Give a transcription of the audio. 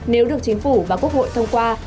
nếu được chính phủ và quốc hội thông qua